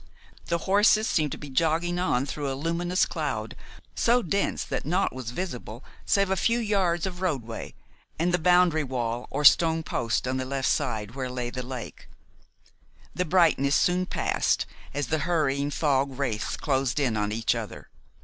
The horses seemed to be jogging on through a luminous cloud, so dense that naught was visible save a few yards of roadway and the boundary wall or stone posts on the left side, where lay the lake. The brightness soon passed, as the hurrying fog wraiths closed in on each other.